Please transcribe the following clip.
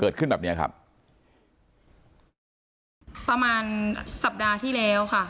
แบบเนี้ยครับประมาณสัปดาห์ที่แล้วค่ะ